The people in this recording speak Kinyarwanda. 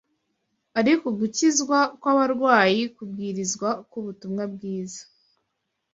ariko gukizwa kw’abarwayi kubwirizwa k’ubutumwa bwiza